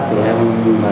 tiêu xài là nhất